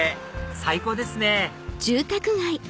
最高ですね